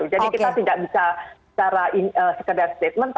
jadi kita tidak bisa secara sekedar statement